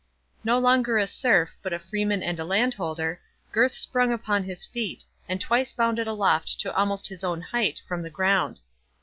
No longer a serf, but a freeman and a landholder, Gurth sprung upon his feet, and twice bounded aloft to almost his own height from the ground.